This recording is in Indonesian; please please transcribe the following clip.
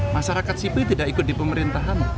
masyarakat sipil tidak ikut di pemerintahan